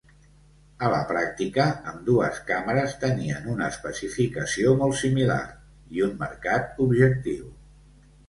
A la pràctica, ambdues càmeres tenien una especificació molt similar i un mercat objectiu.